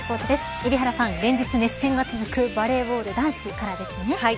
海老原さん、連日熱戦が続くバレーボール男子からですね。